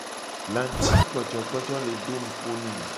Lacigbojogbojo le do nupo ne.